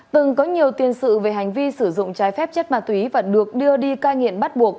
từng có nhiều tiền sự về hành vi sử dụng trái phép chất ma túy và được đưa đi cai nghiện bắt buộc